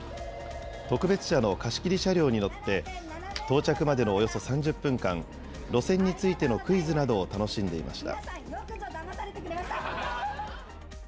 特別車の貸し切り車両に乗って、到着までのおよそ３０分間、路線についてのクイズなどを楽しんでいました。